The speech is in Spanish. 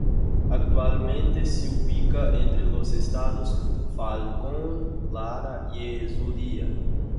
Actualmente se ubica entre los estados Falcón, Lara y Zulia.